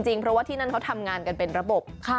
เพราะว่าที่นั่นเขาทำงานกันเป็นระบบ